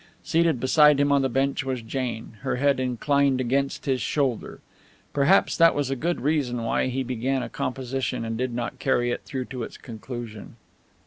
Seated beside him on the bench was Jane, her head inclined against his shoulder. Perhaps that was a good reason why he began a composition and did not carry it through to its conclusion.